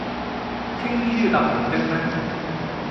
青衣都要搭紅的咩？